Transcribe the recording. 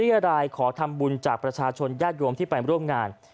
และนายไม่ได้ได้อะไรขอทำบุญจากประชาชนยาชยมที่ไปร่วมงาน